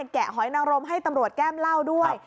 แกะหอยนังรมให้ตำรวจแก้มเหล้าด้วย